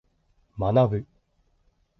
学ぶ。